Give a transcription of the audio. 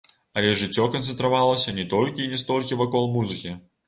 Але жыццё канцэнтравалася не толькі і не столькі вакол музыкі.